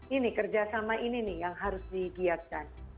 ini kerjasama ini yang harus digiarkan